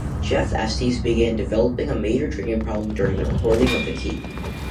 Jeff Estes began developing a major drinking problem during the recording of "The Key".